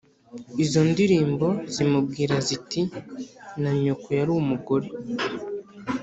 izo ndirimbo zimubwira ziti ’na nyoko yari umugore